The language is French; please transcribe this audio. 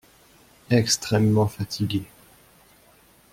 Extrêmement fatigué.